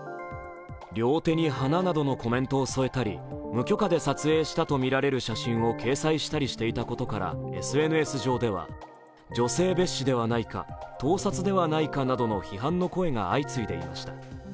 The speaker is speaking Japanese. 「両手に花」などのコメントを添えたり、無許可で撮影したとみられる写真を掲載していたことからＳＮＳ上では女性蔑視ではないか盗撮ではないかとの批判の声が相次いでいました。